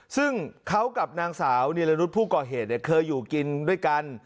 ซึ่งเขากับนางสาวนิรนุษย์ผู้ก่อเหตุเคยอยู่กินด้วยกัน